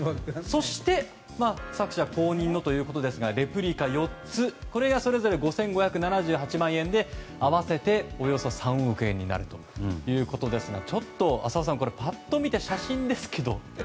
そして、作者公認のレプリカ４つこれがそれぞれ５５７８万円で合わせて、およそ３億円になるということですがちょっと浅尾さんパッと見て、写真ですが。